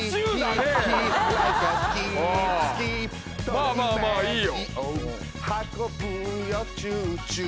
まあまあまあいいよ。